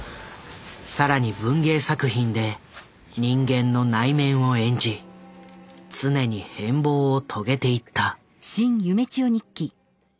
更に文芸作品で人間の内面を演じ常に変貌を遂げていった。